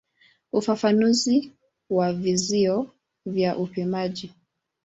Ufafanuzi wa vizio vya upimaji.